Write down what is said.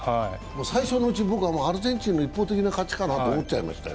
最初のうち、僕はアルゼンチンの一方的な勝ちかなと思っちゃいましたよ。